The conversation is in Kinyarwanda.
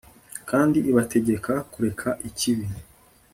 kandi ibategeka kureka ikibi